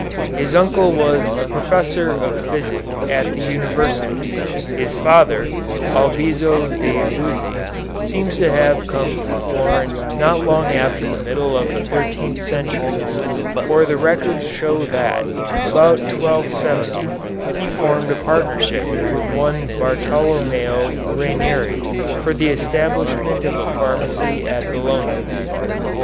His uncle was a professor of physic at the university. His father, Albizzo di Luzzi, seems to have come from Florence not long after the middle of the thirteenth century, for the records show that, about 1270, he formed a partnership with one Bartolommeo Raineri for the establishment of a pharmacy at Bologna.